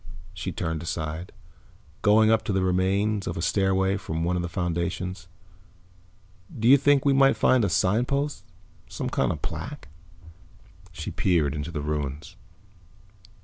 She turned aside, going up the remains of a stairway from one of the foundations. "Do you think we might find a signpost? Some kind of plaque?" She peered into the ruins.